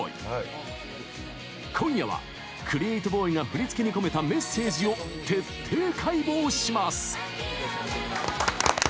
今夜は、ＣＲＥ８ＢＯＹが振付に込めたメッセージを徹底解剖します！